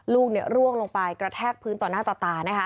ร่วงลงไปกระแทกพื้นต่อหน้าต่อตา